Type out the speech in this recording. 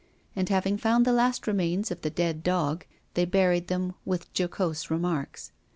And, having found the last remains of the dead dog, they buried them with jocose remarks.